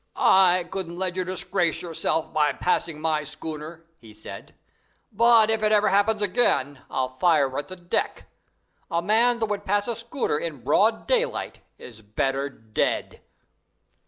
"I couldn't let you disgrace yourselves by passing my schooner," he said; "but if it ever happens again I'll fire at the deck. A man that would pass a schooner in broad daylight is better dead."